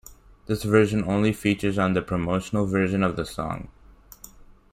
This version only features on the promotional version of the song.